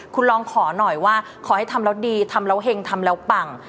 คุณลองขอหน่อยว่าขอให้ทำแล้วดีทำแล้วเห็งทำแล้วปัง